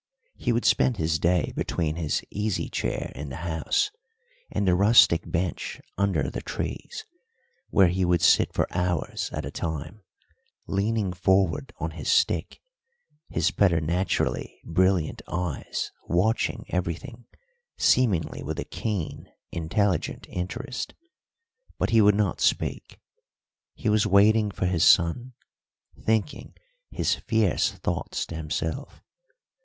He would spend his day between his easy chair in the house and the rustic bench under the trees, where he would sit for hours at a time, leaning forward on his stick, his preternaturally brilliant eyes watching everything seemingly with a keen, intelligent interest. But he would not speak. He was waiting for his son, thinking his fierce thoughts to himself.